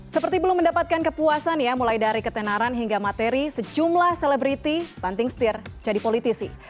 seperti belum mendapatkan kepuasan ya mulai dari ketenaran hingga materi sejumlah selebriti banting setir jadi politisi